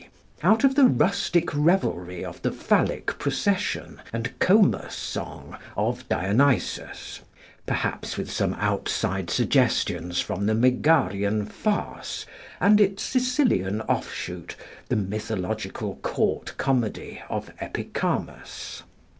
out of the rustic revelry of the Phallic procession and Comus song of Dionysus, perhaps with some outside suggestions from the Megarian farce and its Sicilian offshoot, the mythological court comedy of Epicharmus.